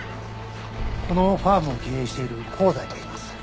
このファームを経営している香西といいます。